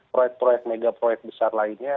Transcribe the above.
proyek proyek mega proyek besar lainnya